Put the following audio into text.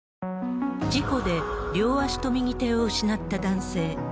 事故で両足と右手を失った男性。